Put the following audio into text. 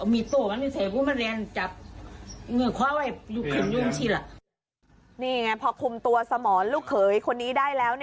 นี่ไงพอคุมตัวสมรลูกเขยคนนี้ได้แล้ว